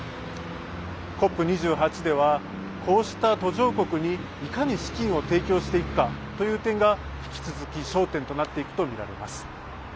ＣＯＰ２８ではこうした途上国にいかに資金を提供していくかという点が引き続き焦点となっていくとみられます。